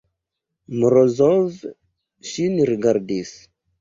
Morozov ŝin rigardis.